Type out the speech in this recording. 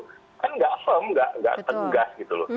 kan enggak firm enggak tegas gitu loh